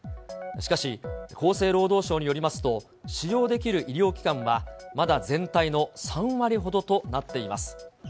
しかし、厚生労働省によりますと、使用できる医療機関はまだ全体の３割ほどとなっています。